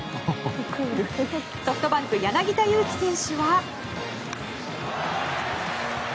ソフトバンク柳田悠岐選手は。